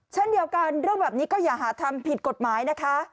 เช่นเดียวกันเรื่องแบบนี้ก็อย่าหาทำผิดกฎหมายนะคะ